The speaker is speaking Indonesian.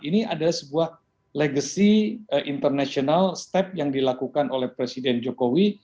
ini adalah sebuah legacy international step yang dilakukan oleh presiden jokowi